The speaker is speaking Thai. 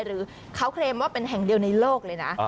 หรือเขาเคลมว่าเป็นแห่งเดียวในโลกเลยนะ